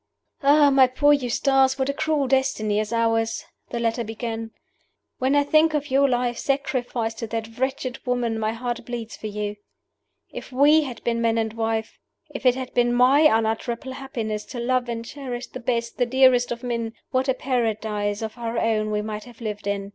"Ah, my poor Eustace, what a cruel destiny is ours!" the letter began. "When I think of your life, sacrificed to that wretched woman, my heart bleeds for you. If we had been man and wife if it had been my unutterable happiness to love and cherish the best, the dearest of men what a paradise of our own we might have lived in!